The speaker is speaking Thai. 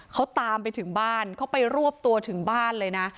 เขาตามไปถึงบ้านเขาไปรวบตัวถึงบ้านเลยนะ